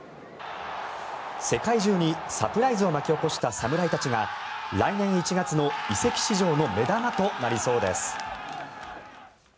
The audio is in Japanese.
世界中にサプライズを巻き起こした侍たちが来年１月の移籍市場の目玉となりそうです。